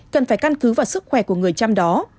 cần phải căn cứ vào sức khỏe của người chăm đó